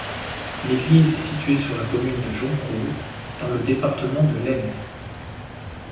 L'église est située sur la commune de Joncourt, dans le département de l'Aisne.